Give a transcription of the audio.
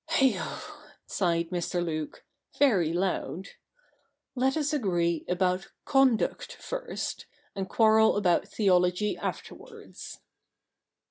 ' Heigho I ' sighed Mr. Luke, very loud :' let us agree about conduct first, and quarrel about theology after wards.'